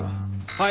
はい！